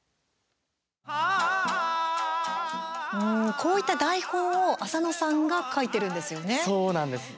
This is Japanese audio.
こういった台本を浅野さんが書いてるんですよね？